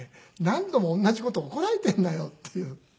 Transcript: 「何度も同じ事怒られてるなよ」っていう。